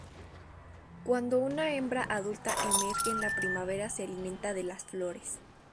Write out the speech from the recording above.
Cuando una hembra adulta emerge en la primavera se alimenta de las flores.